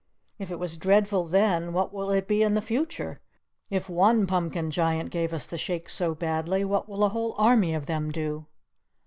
If it was dreadful then what will it be in the future? If one Pumpkin Giant gave us the Shakes so badly, what will a whole army of them do?"